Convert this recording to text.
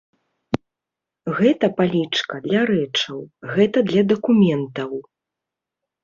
Гэта палічка для рэчаў, гэта для дакументаў.